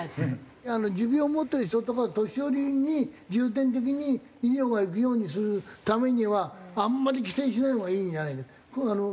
持病持ってる人とか年寄りに重点的に医療がいくようにするためにはあんまり規制しないほうがいいんじゃないの？